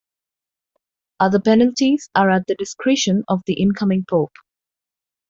Other penalties are at the discretion of the incoming Pope.